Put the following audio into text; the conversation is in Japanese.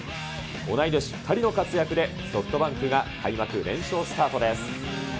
同い年２人の活躍で、ソフトバンクが開幕連勝スタートです。